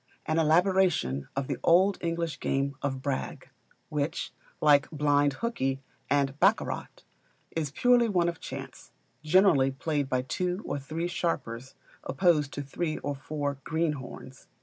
An elaboration of the old English game of Brag, which, like Blind Hookey and Baccarat, is purely one of chance, generally played by two or three sharpers opposed to three or four greenhorns.